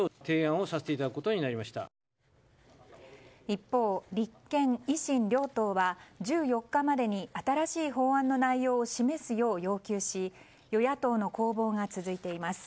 一方、立憲・維新両党は１４日までに新しい法案の内容を示すよう要求し与野党の攻防が続いています。